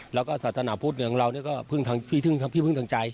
แล้วก็สัตนาพุทธเหมือนกันพี่พึ่งทางใจ